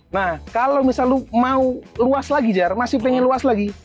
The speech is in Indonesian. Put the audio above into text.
nah kalau misalnya mau luas lagi jar masih pengen luas lagi